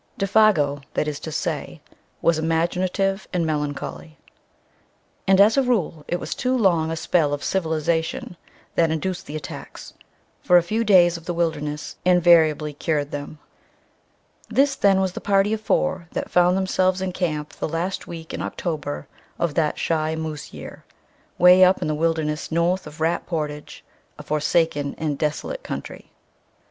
Défago, that is to say, was imaginative and melancholy. And, as a rule, it was too long a spell of "civilization" that induced the attacks, for a few days of the wilderness invariably cured them. This, then, was the party of four that found themselves in camp the last week in October of that "shy moose year" 'way up in the wilderness north of Rat Portage a forsaken and desolate country.